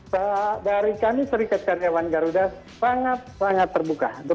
tidak dari kami serikat karyawan garuda sangat terbuka